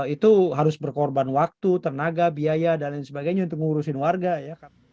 itu harus berkorban waktu tenaga biaya dan lain sebagainya untuk ngurusin warga ya